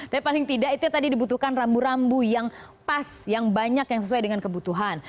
tapi paling tidak itu yang tadi dibutuhkan rambu rambu yang pas yang banyak yang sesuai dengan kebutuhan